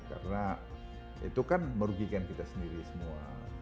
karena itu kan merugikan kita sendiri semua